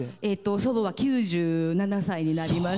祖母は９７歳になります。